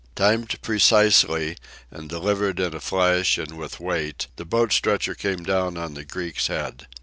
Timed precisely, and delivered in a flash and with weight, the boat stretcher came down on the Greek's head.